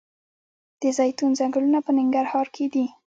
د زیتون ځنګلونه په ننګرهار کې دي؟